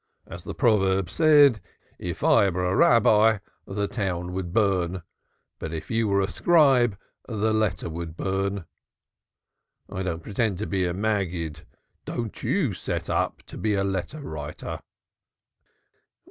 As the proverb says, if I were a Rabbi the town would burn. But if you were a scribe the letter would burn. I don't pretend to be a Maggid, don't you set up to be a letter writer."